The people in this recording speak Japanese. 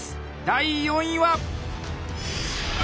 第４位は。